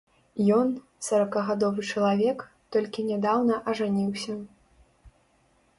Ён, саракагадовы чалавек, толькі нядаўна ажаніўся.